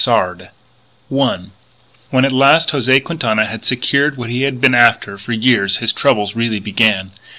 SARD I When at last José Quintana had secured what he had been after for years, his troubles really began.